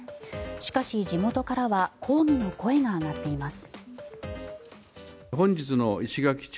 しかし、地元からは抗議の声が上がっています。